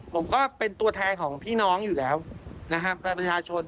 ผมก็เป็นตัวแทนของพี่น้องอยู่แล้วนะครับประชาชน